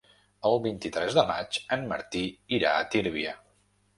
El vint-i-tres de maig en Martí irà a Tírvia.